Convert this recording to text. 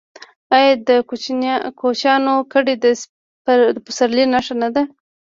آیا د کوچیانو کډې د پسرلي نښه نه ده؟